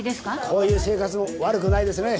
こういう生活も悪くないですね。